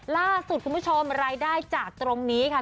ล่าสุดคุณผู้ชมรายได้จากตรงนี้ค่ะ